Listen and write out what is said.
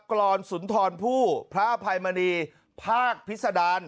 กรอนสุนทรผู้พระอภัยมณีภาคพิษดาร